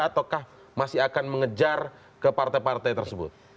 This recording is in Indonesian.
ataukah masih akan mengejar ke partai partai tersebut